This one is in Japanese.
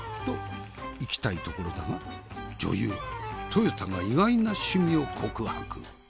といきたいところだが女優とよたが意外な趣味を告白。